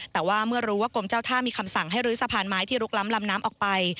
แต่ว่าเมื่อรู้ว่ากรมเจ้าท่ามีคำสั่งให้รื้อสะพานไม้ที่ลุกล้ำลำน้ำออกไป